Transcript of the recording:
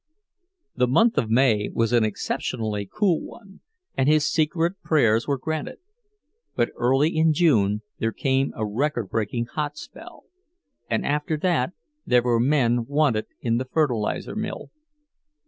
The month of May was an exceptionally cool one, and his secret prayers were granted; but early in June there came a record breaking hot spell, and after that there were men wanted in the fertilizer mill.